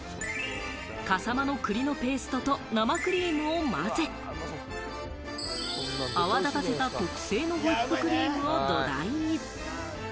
笠間の栗のペーストと生クリームを混ぜ、泡立たせた特製のホイップクリームを土台に。